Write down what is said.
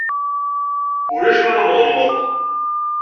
Ulac win ur nɣelleḍ.